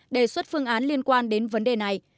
đề xuất phương án liên quan đến vấn đề này